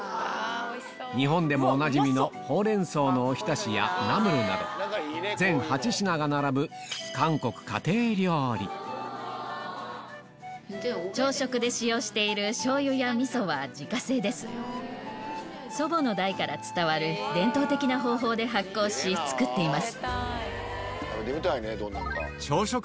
日本でもおなじみのホウレンソウのおひたしやナムルなど全８品が並ぶ祖母の代から伝わる伝統的な方法で発酵し造っています。